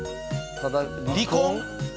「離婚」？